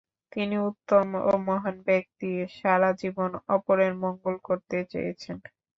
তিনি উত্তম ও মহান ব্যক্তি, সারা জীবন অপরের মঙ্গল করতে চেয়েছেন।